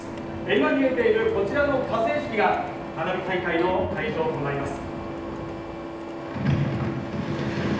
今見えているこちらの河川敷が花火大会の会場となります。